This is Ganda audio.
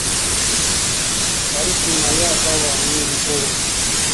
Kalusu naye atawaanya ebisolo.